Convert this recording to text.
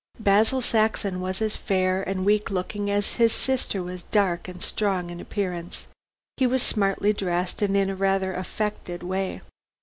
Basil Saxon was as fair and weak looking as his sister was dark and strong in appearance. He was smartly dressed, and in a rather affected way.